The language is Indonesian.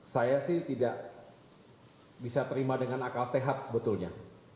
saya sih tidak bisa terima dengan akal sehat sebetulnya